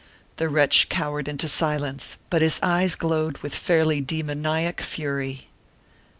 The wretch cowered into silence, but his eyes glowed with fairly demoniac fury.